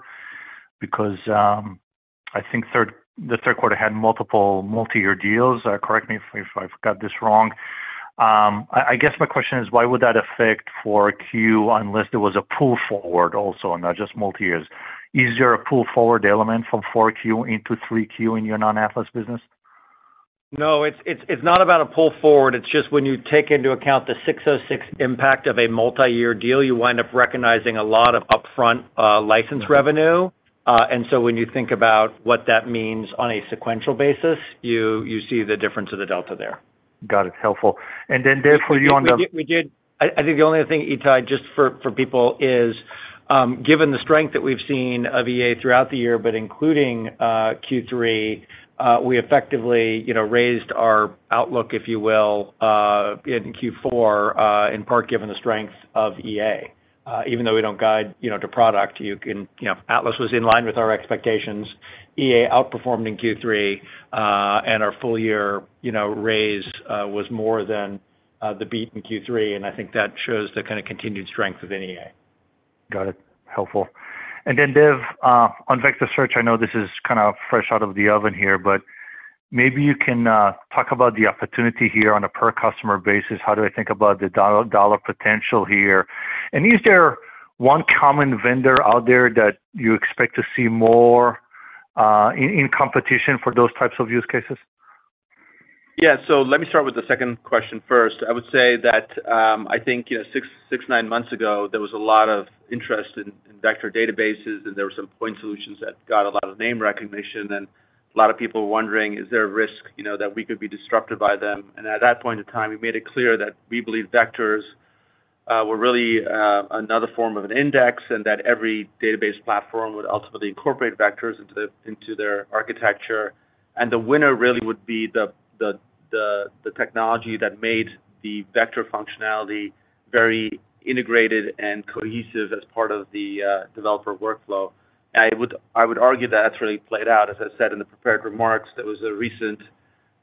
because I think the Q3 had multiple multi-year deals. Correct me if, if I've got this wrong. I, I guess my question is: Why would that affect 4Q unless there was a pull forward also, and not just multi-years? Is there a pull forward element from 4Q into 3Q in your non-Atlas business? No, it's not about a pull forward. It's just when you take into account the 606 impact of a multi-year deal, you wind up recognizing a lot of upfront license revenue. And so when you think about what that means on a sequential basis, you see the difference of the delta there.... Got it, helpful. And then Dev, for you on the- I think the only other thing, Ittai, just for people is, given the strength that we've seen of EA throughout the year, but including Q3, we effectively, you know, raised our outlook, if you will, in Q4, in part given the strength of EA. Even though we don't guide, you know, to product, you can, you know, Atlas was in line with our expectations. EA outperformed in Q3, and our full year, you know, raise was more than the beat in Q3, and I think that shows the kinda continued strength of EA. Got it. Helpful. And then, Dev, on vector search, I know this is kind of fresh out of the oven here, but maybe you can talk about the opportunity here on a per customer basis. How do I think about the dollar potential here? And is there one common vendor out there that you expect to see more in competition for those types of use cases? Yeah. So let me start with the second question first. I would say that, I think, you know, 6-9 months ago, there was a lot of interest in vector databases, and there were some point solutions that got a lot of name recognition, and a lot of people were wondering, is there a risk, you know, that we could be disrupted by them? And at that point in time, we made it clear that we believe vectors were really another form of an index, and that every database platform would ultimately incorporate vectors into their architecture. And the winner really would be the technology that made the vector functionality very integrated and cohesive as part of the developer workflow. I would argue that that's really played out. As I said in the prepared remarks, there was a recent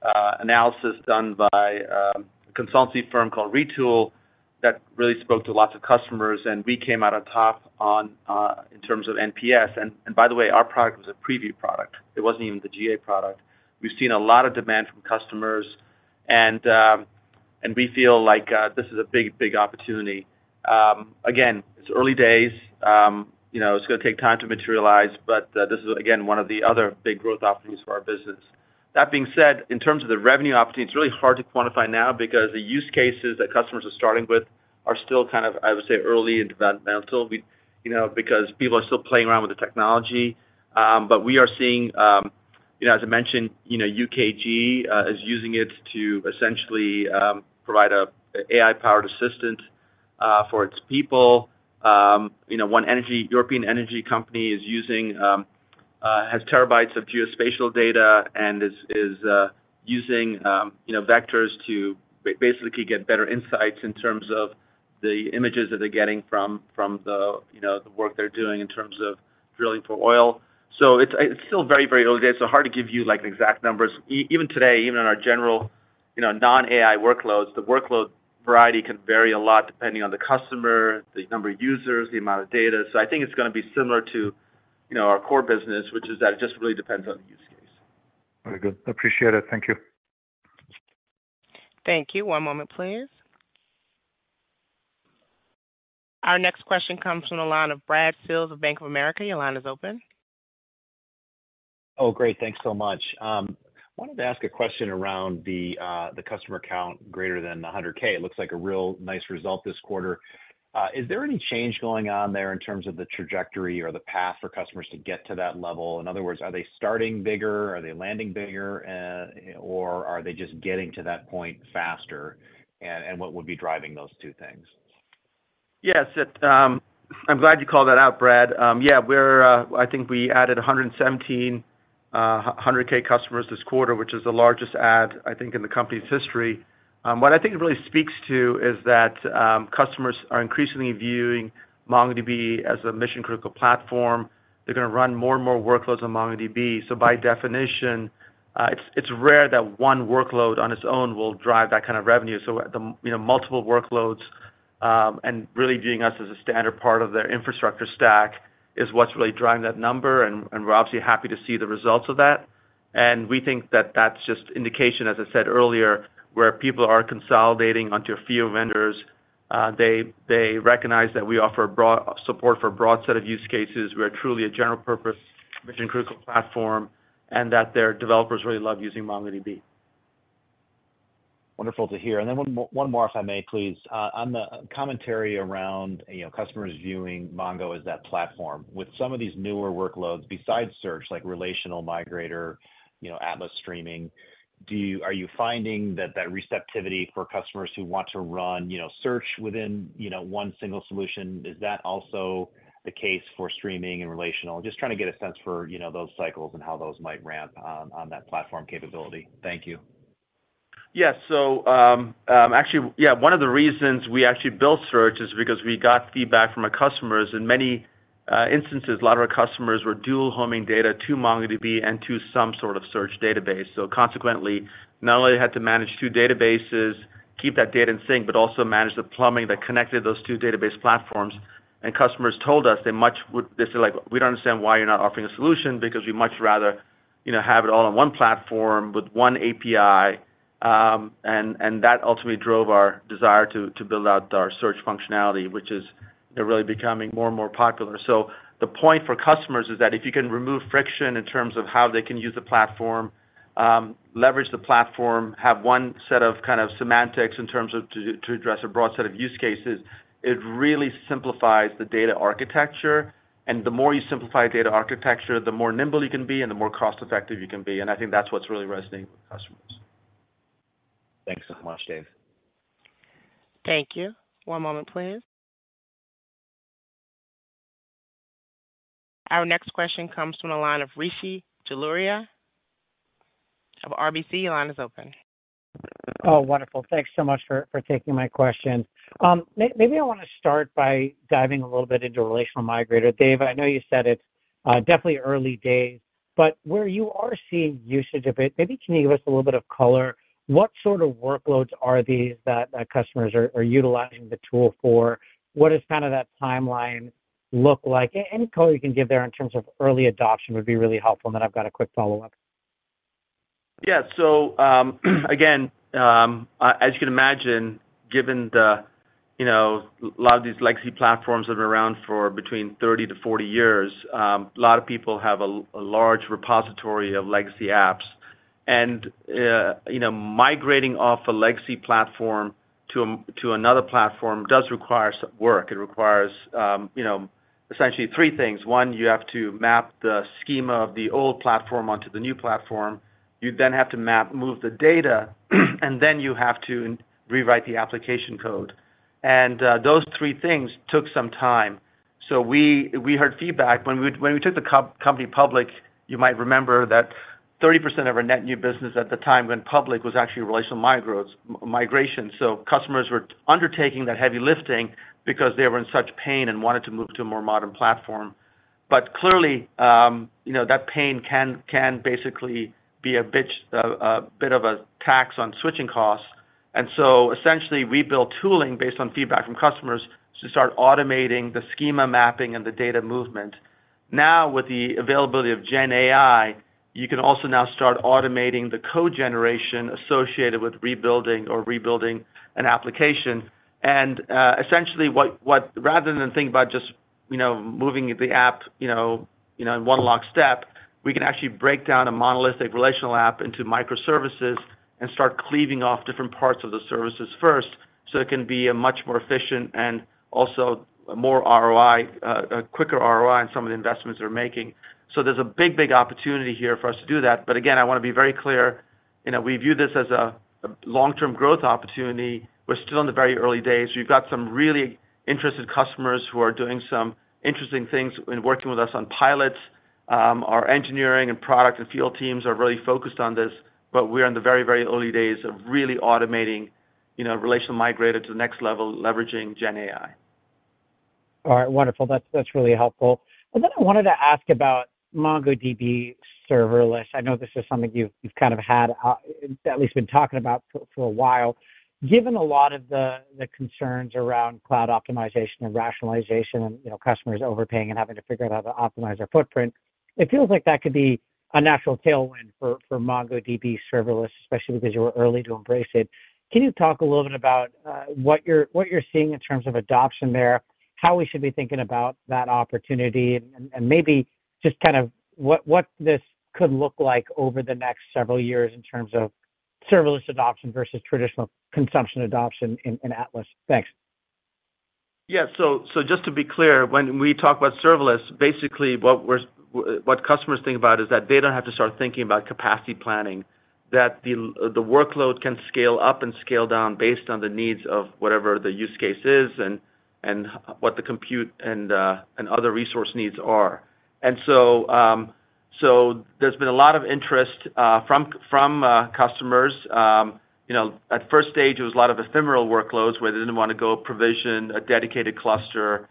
analysis done by a consultancy firm called Retool that really spoke to lots of customers, and we came out on top in terms of NPS. And by the way, our product was a preview product. It wasn't even the GA product. We've seen a lot of demand from customers, and we feel like this is a big, big opportunity. Again, it's early days. You know, it's gonna take time to materialize, but this is, again, one of the other big growth opportunities for our business. That being said, in terms of the revenue opportunity, it's really hard to quantify now because the use cases that customers are starting with are still kind of, I would say, early and developmental, we, you know, because people are still playing around with the technology. But we are seeing, you know, as I mentioned, you know, UKG is using it to essentially provide a AI-powered assistant for its people. You know, one European energy company is using has terabytes of geospatial data and is using, you know, vectors to basically get better insights in terms of the images that they're getting from the, you know, the work they're doing in terms of drilling for oil. So it's still very, very early days, so hard to give you, like, exact numbers. Even today, even in our general, you know, non-AI workloads, the workload variety can vary a lot depending on the customer, the number of users, the amount of data. So I think it's gonna be similar to, you know, our core business, which is that it just really depends on the use case. Very good. Appreciate it. Thank you. Thank you. One moment, please. Our next question comes from the line of Brad Sills of Bank of America. Your line is open. Oh, great. Thanks so much. Wanted to ask a question around the, the customer count greater than 100K. It looks like a real nice result this quarter. Is there any change going on there in terms of the trajectory or the path for customers to get to that level? In other words, are they starting bigger? Are they landing bigger, or are they just getting to that point faster? And, and what would be driving those two things? Yes, I'm glad you called that out, Brad. Yeah, we're, I think we added 117 100K customers this quarter, which is the largest add, I think, in the company's history. What I think it really speaks to is that customers are increasingly viewing MongoDB as a mission-critical platform. They're gonna run more and more workloads on MongoDB. So by definition, it's rare that one workload on its own will drive that kind of revenue. So the multiple workloads, you know, and really viewing us as a standard part of their infrastructure stack is what's really driving that number, and we're obviously happy to see the results of that. And we think that that's just indication, as I said earlier, where people are consolidating onto a few vendors. They recognize that we offer broad support for a broad set of use cases. We are truly a general-purpose, mission-critical platform, and that their developers really love using MongoDB. Wonderful to hear. And then one more, one more, if I may, please. On the commentary around, you know, customers viewing Mongo as that platform. With some of these newer workloads besides search, like Relational Migrator, you know, Atlas Streaming, do you-- are you finding that that receptivity for customers who want to run, you know, search within, you know, one single solution, is that also the case for streaming and relational? Just trying to get a sense for, you know, those cycles and how those might ramp on that platform capability. Thank you. Yes. So, actually, yeah, one of the reasons we actually built Search is because we got feedback from our customers. In many instances, a lot of our customers were dual-homing data to MongoDB and to some sort of search database. So consequently, not only had to manage two databases, keep that data in sync, but also manage the plumbing that connected those two database platforms. And customers told us they said, like: We don't understand why you're not offering a solution, because we'd much rather, you know, have it all on one platform with one API. And that ultimately drove our desire to build out our search functionality, which is, you know, really becoming more and more popular. The point for customers is that if you can remove friction in terms of how they can use the platform, leverage the platform, have one set of kind of semantics in terms of to address a broad set of use cases, it really simplifies the data architecture, and the more you simplify data architecture, the more nimble you can be and the more cost-effective you can be. I think that's what's really resonating with customers. Thanks so much, Dev. Thank you. One moment, please. Our next question comes from the line of Rishi Jaluria of RBC. Your line is open. Oh, wonderful. Thanks so much for, for taking my question. Maybe I want to start by diving a little bit into Relational Migrator. Dev, I know you said it's definitely early days, but where you are seeing usage of it, maybe can you give us a little bit of color? What sort of workloads are these that customers are, are utilizing the tool for? What does kind of that timeline look like? Any color you can give there in terms of early adoption would be really helpful, then I've got a quick follow-up. Yeah. So, again, as you can imagine, given the, you know, lot of these legacy platforms have been around for between 30-40 years, a lot of people have a large repository of legacy apps. And, you know, migrating off a legacy platform to another platform does require some work. It requires, you know, essentially three things: One, you have to map the schema of the old platform onto the new platform, you then have to map, move the data, and then you have to rewrite the application code. And, those three things took some time. So we heard feedback. When we took the company public, you might remember that 30% of our net new business at the time went public, was actually Relational Migrator. So customers were undertaking that heavy lifting because they were in such pain and wanted to move to a more modern platform. But clearly, you know, that pain can basically be a bitch, a bit of a tax on switching costs. And so essentially, we built tooling based on feedback from customers to start automating the schema mapping and the data movement. Now, with the availability of Gen AI, you can also now start automating the code generation associated with rebuilding or rebuilding an application. Essentially, rather than think about just, you know, moving the app, you know, you know, in one lock step, we can actually break down a monolithic relational app into microservices and start cleaving off different parts of the services first, so it can be a much more efficient and also more ROI, a quicker ROI on some of the investments we're making. So there's a big, big opportunity here for us to do that. But again, I want to be very clear, you know, we view this as a, a long-term growth opportunity. We're still in the very early days. We've got some really interested customers who are doing some interesting things in working with us on pilots. Our engineering and product and field teams are really focused on this, but we're in the very, very early days of really automating, you know, Relational Migrator to the next level, leveraging GenAI. All right. Wonderful. That's, that's really helpful. Then I wanted to ask about MongoDB Serverless. I know this is something you've, you've kind of had, at least been talking about for, for a while. Given a lot of the, the concerns around cloud optimization and rationalization and, you know, customers overpaying and having to figure out how to optimize their footprint, it feels like that could be a natural tailwind for, for MongoDB Serverless, especially because you were early to embrace it. Can you talk a little bit about, what you're, what you're seeing in terms of adoption there, how we should be thinking about that opportunity, and, and, and maybe just kind of what, what this could look like over the next several years in terms of serverless adoption versus traditional consumption adoption in, in Atlas? Thanks. Yeah. So just to be clear, when we talk about serverless, basically what we're, what customers think about is that they don't have to start thinking about capacity planning, that the workload can scale up and scale down based on the needs of whatever the use case is and what the compute and other resource needs are. So there's been a lot of interest from customers. You know, at first stage, it was a lot of ephemeral workloads where they didn't want to go provision a dedicated cluster.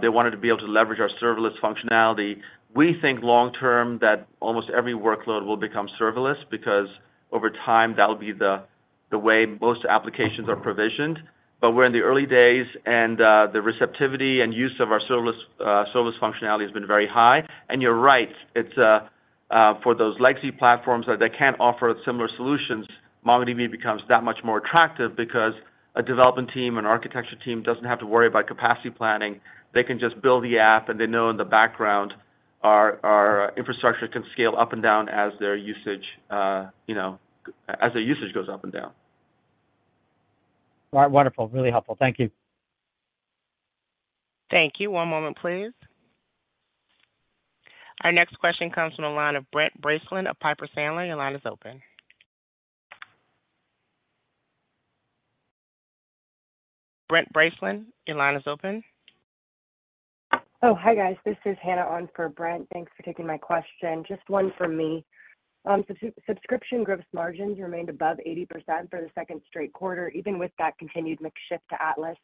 They wanted to be able to leverage our serverless functionality. We think long term, that almost every workload will become serverless, because over time, that'll be the way most applications are provisioned. But we're in the early days, and the receptivity and use of our serverless serverless functionality has been very high. And you're right, it's for those legacy platforms that they can't offer similar solutions, MongoDB becomes that much more attractive because a development team and architecture team doesn't have to worry about capacity planning. They can just build the app, and they know in the background, our infrastructure can scale up and down as their usage, you know, as their usage goes up and down. Well, wonderful. Really helpful. Thank you. Thank you. One moment, please. Our next question comes from the line of Brent Bracelin of Piper Sandler. Your line is open. Brent Bracelin, your line is open. Oh, hi, guys. This is Hannah on for Brent. Thanks for taking my question. Just one from me. Subscription gross margins remained above 80% for the second straight quarter, even with that continued mix shift to Atlas.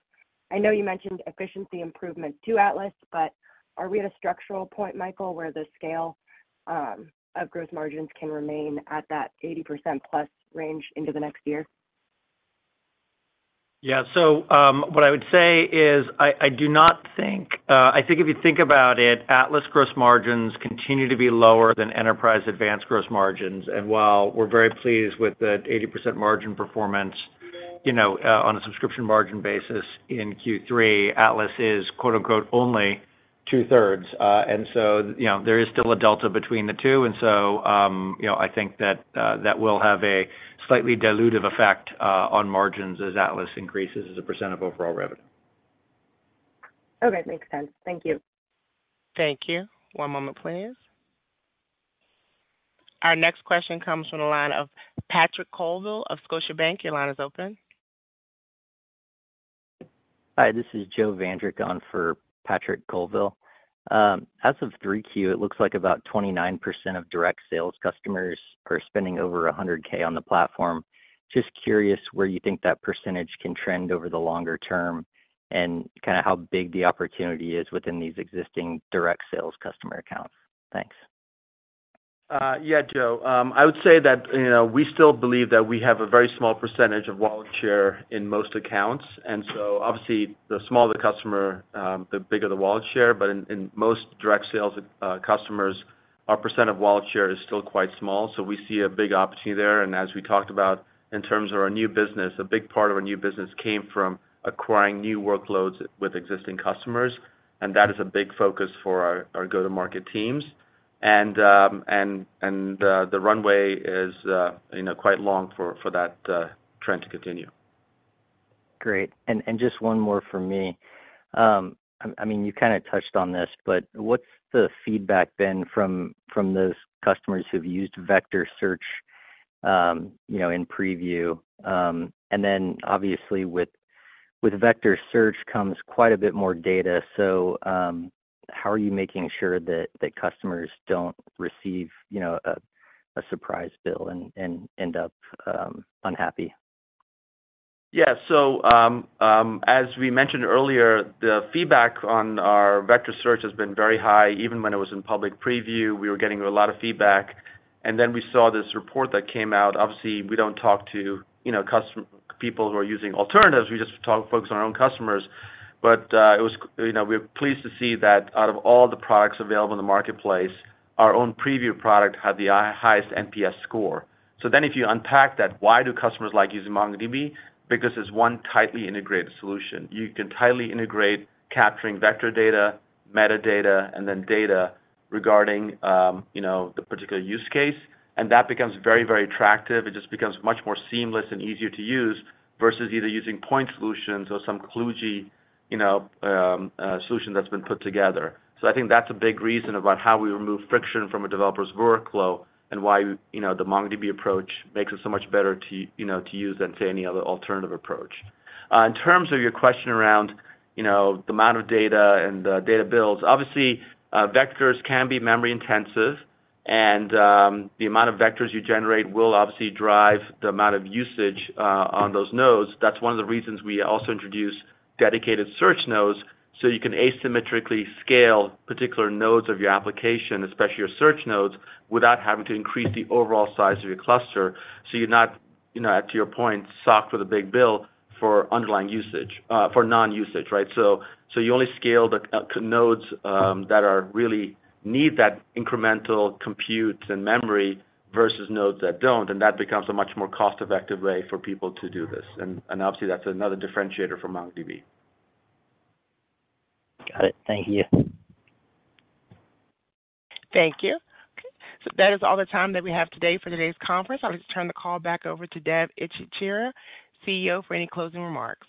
I know you mentioned efficiency improvements to Atlas, but are we at a structural point, Michael, where the scale of gross margins can remain at that 80%+ range into the next year? Yeah. So, what I would say is I do not think. I think if you think about it, Atlas gross margins continue to be lower than Enterprise Advanced gross margins. And while we're very pleased with the 80% margin performance, you know, on a subscription margin basis in Q3, Atlas is quote, unquote, "only" two-thirds. And so, you know, there is still a delta between the two, and so, you know, I think that, that will have a slightly dilutive effect, on margins as Atlas increases as a percent of overall revenue.... Okay, makes sense. Thank you. Thank you. One moment, please. Our next question comes from the line of Patrick Colville of Scotiabank. Your line is open. Hi, this is Joe Vandrick on for Patrick Colville. As of 3Q, it looks like about 29% of direct sales customers are spending over $100K on the platform. Just curious where you think that percentage can trend over the longer term and kind of how big the opportunity is within these existing direct sales customer accounts. Thanks. Yeah, Joe, I would say that, you know, we still believe that we have a very small percentage of wallet share in most accounts, and so obviously, the smaller the customer, the bigger the wallet share. But in most direct sales customers, our percent of wallet share is still quite small, so we see a big opportunity there. And as we talked about in terms of our new business, a big part of our new business came from acquiring new workloads with existing customers, and that is a big focus for our go-to-market teams. And the runway is, you know, quite long for that trend to continue. Great. And just one more for me. I mean, you kind of touched on this, but what's the feedback been from those customers who've used vector search, you know, in preview? And then obviously with vector search comes quite a bit more data. So, how are you making sure that the customers don't receive, you know, a surprise bill and end up unhappy? Yeah. So, as we mentioned earlier, the feedback on our vector search has been very high. Even when it was in public preview, we were getting a lot of feedback. And then we saw this report that came out. Obviously, we don't talk to, you know, customers who are using alternatives. We just talk, focus on our own customers. But, it was, you know, we're pleased to see that out of all the products available in the marketplace, our own preview product had the highest NPS score. So then if you unpack that, why do customers like using MongoDB? Because it's one tightly integrated solution. You can tightly integrate capturing vector data, metadata, and then data regarding, you know, the particular use case, and that becomes very, very attractive. It just becomes much more seamless and easier to use versus either using point solutions or some kludgy, you know, solution that's been put together. So I think that's a big reason about how we remove friction from a developer's workflow and why, you know, the MongoDB approach makes it so much better to you know, to use than say any other alternative approach. In terms of your question around, you know, the amount of data and the data bills, obviously, vectors can be memory intensive, and, the amount of vectors you generate will obviously drive the amount of usage, on those nodes. That's one of the reasons we also introduce dedicated search nodes, so you can asymmetrically scale particular nodes of your application, especially your search nodes, without having to increase the overall size of your cluster. So you're not, you know, to your point, socked with a big bill for underlying usage, for non-usage, right? So you only scale the nodes that are really need that incremental compute and memory versus nodes that don't, and that becomes a much more cost-effective way for people to do this. And obviously, that's another differentiator from MongoDB. Got it. Thank you. Thank you. Okay, so that is all the time that we have today for today's conference. I'll just turn the call back over to Dev Ittycheria, CEO, for any closing remarks.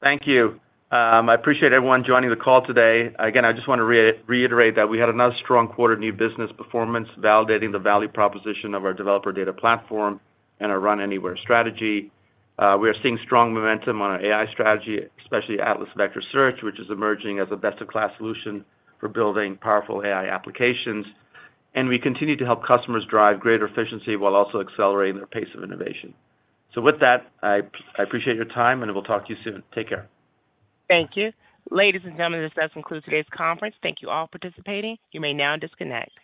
Thank you. I appreciate everyone joining the call today. Again, I just want to reiterate that we had another strong quarter new business performance, validating the value proposition of our developer data platform and our Run Anywhere strategy. We are seeing strong momentum on our AI strategy, especially Atlas Vector Search, which is emerging as a best-in-class solution for building powerful AI applications. And we continue to help customers drive greater efficiency while also accelerating their pace of innovation. So with that, I, I appreciate your time, and we'll talk to you soon. Take care. Thank you. Ladies and gentlemen, this does conclude today's conference. Thank you all participating. You may now disconnect.